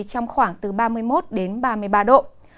trong khoảng từ ba mươi một đến ba mươi ba độ